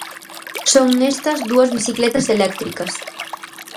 Son estas dúas bicicletas eléctricas.